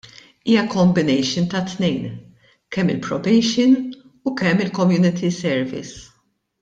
Hija combination ta' tnejn, kemm il-probation u kemm il-community service.